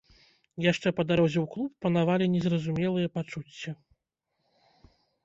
Яшчэ па дарозе ў клуб панавалі незразумелыя пачуцці.